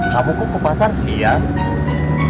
kamu kok ke pasar siang